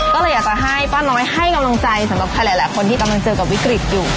ก็เลยอยากจะให้ป้าน้อยให้กำลังใจสำหรับใครหลายคนที่กำลังเจอกับวิกฤตอยู่